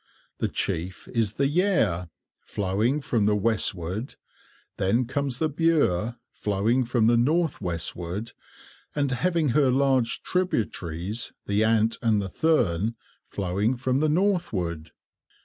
The chief is the Yare, flowing from the westward; then comes the Bure, flowing from the north westward, and having her large tributaries, the Ant and the Thurne, flowing from the northward.